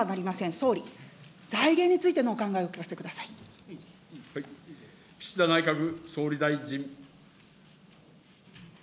総理、財源についてのお考えをお岸田内閣総理大臣。